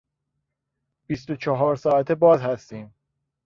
بیست و چهار ساعته باز هستیم.